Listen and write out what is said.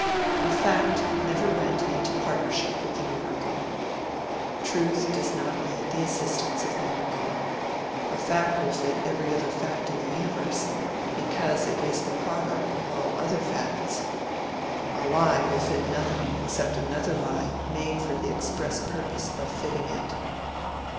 A fact never went into partnership with a miracle. Truth does not need the assistance of miracle. A fact will fit every other fact in the Universe, because it is the product of all other facts. A lie will fit nothing except another lie made for the express purpose of fitting it.